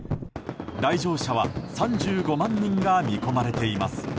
来場者は３５万人が見込まれています。